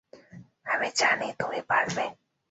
আমি জানি তুমি পারবে।